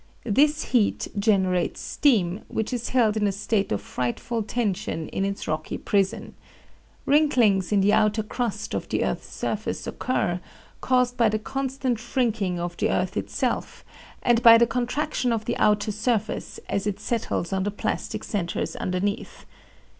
This heat generates steam, which is held in a state of frightful tension in its rocky prison. Wrinklings in the outer crust of the earth's surface occur, caused by the constant shrinking of the earth itself and by the contraction of the outer surface as it settles on the plastic centers underneath.